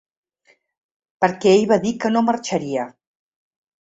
Per què ell va dir que no marxaria.